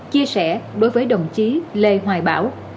chia sẻ đối với đồng chí lê hoài bảo